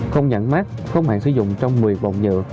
không nhẵn mát không hạn sử dụng trong một mươi bọng nhựa